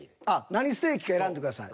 何ステーキか選んでください。